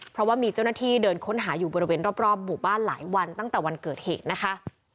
เพราะว่ามีเจ้าหน้าที่เดินค้นหาอยู่บริเวณรอบหมู่บ้านหลายวันตั้งแต่วันเกิดเหตุนะคะ